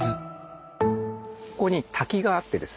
ここに滝があってですね